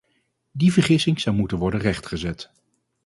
Die vergissing zou moeten worden rechtgezet.